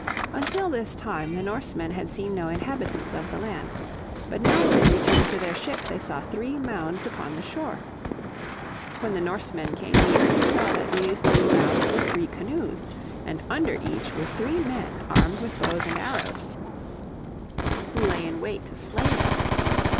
Until this time the Norsemen had seen no inhabitants of the land. But now as they returned to their ship they saw three mounds upon the shore. When the Norsemen came near they saw that these three mounds were three canoes, and under each were three men armed with bows and arrows, who lay in wait to slay them.